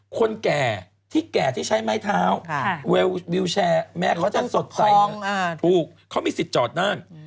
คนแก่ใช่ไม้เท้าเวลวิวแชร์แม้เขาจะสดใสเปลูกเขามีสิทธิ์ชอดนั่น